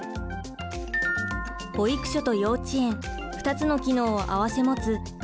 保育所と幼稚園２つの機能を併せ持つ認定こども園。